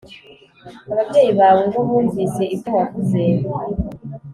Ababyeyi bawe bo bumvise ibyo wavuze